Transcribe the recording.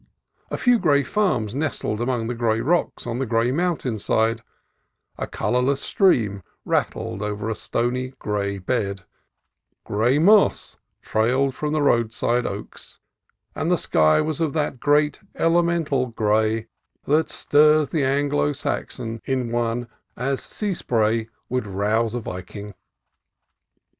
A few gray farms nestled among gray rocks on the gray mountain side; a colorless stream rattled over a stony gray bed ; gray moss trailed from the roadside oaks ; and the sky was of that great, elemental gray ITALIAN SWISS SETTLERS 157 that stirs the Anglo Saxon in one as sea spray would rouse a Viking.